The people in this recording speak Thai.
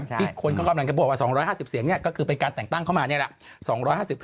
ที่คนก็กำลังจะบอกว่า๒๕๐เสียงเนี่ยก็คือเป็นการแต่งตั้งเข้ามานี่แหละ